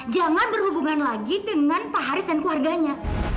jangan berhubungan lagi dengan pak haris dan keluarganya